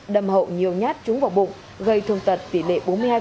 đâm hậu nhiều nhát trúng vào bụng gây thương tật tỷ lệ bốn mươi hai